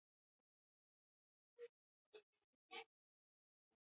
د استعمار پر وړاندې ځیرکانه مبارزه لامل و.